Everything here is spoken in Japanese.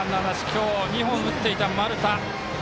今日２本打っていた、丸田。